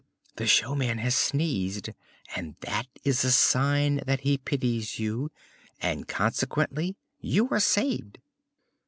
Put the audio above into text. The showman has sneezed and that is a sign that he pities you, and consequently you are saved."